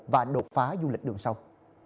và đột phá du lịch đường sông